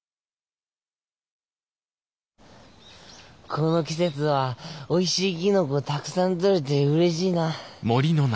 この季節はおいしいきのこたくさん採れてうれしいな。